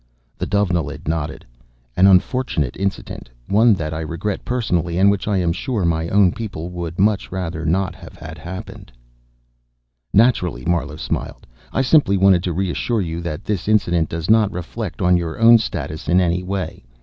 The Dovenilid nodded. "An unfortunate incident. One that I regret personally, and which I am sure my own people would much rather not have had happen." "Naturally." Marlowe smiled. "I simply wanted to reassure you that this incident does not reflect on your own status in any way.